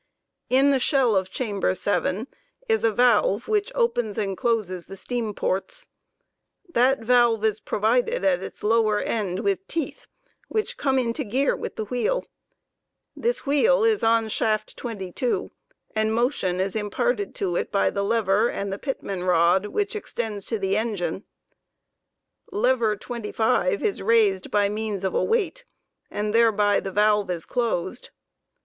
In the shell of chamber 7 is a valve (20) which opens and closes the steam ports. That valve is provided at its lower end with teeth which come into gear with the wheel 21. This wheel is on shaft 22, and motion is imparted to it by the lever 23 and the pitman rod 24, which extends to the engine. Lever 25 is raised by means of a weight and thereby the valve is closed.